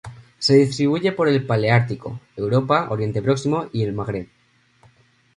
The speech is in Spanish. Se distribuye por el paleártico: Europa, Oriente Próximo y el Magreb.